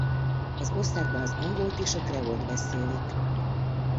Az országban az angolt és a kreolt beszélik.